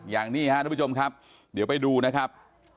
อย่างนี้ครับทุกผู้ชมครับเดี๋ยวไปดูนะครับ